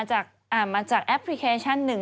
ให้อ่านมาจากแอปพลิเคชันหนึ่ง